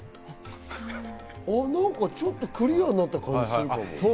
なんかちょっとクリアになった感じがするけど。